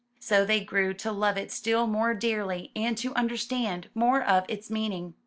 So they grew to love it still more dearly and to understand more of its meaning.